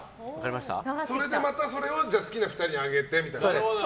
それで、また好きな２人にあげてみたいな？